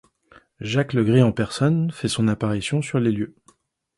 Jacques Legris en personne fait son apparition sur les lieux.